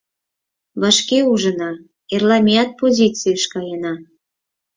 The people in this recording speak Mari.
Вашке ужына, эрла меат позицийыш каена.